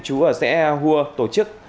chú ở xã ea hua tổ chức